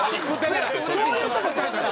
だからそういうとこちゃうかな？